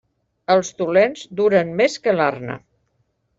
Els dolents duren més que l'arna.